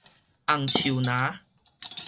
紅樹林